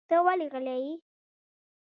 ته ولې غلی یې؟